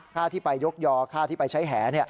ค่าที่ไปยกยอค่าที่ไปใช้แห